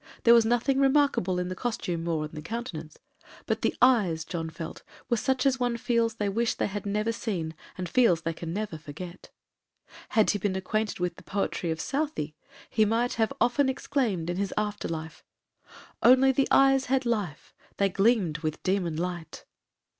There was nothing remarkable in the costume, or in the countenance, but the eyes, John felt, were such as one feels they wish they had never seen, and feels they can never forget. Had he been acquainted with the poetry of Southey, he might have often exclaimed in his after life, 'Only the eyes had life, They gleamed with demon light.'